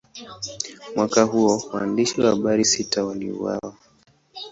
Mwaka huo, waandishi wa habari sita waliuawa.